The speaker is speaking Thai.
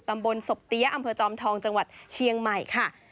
ตำบลศพเตี้ยอำเภอจอมทองจังหวัดเชียงใหม่ค่ะ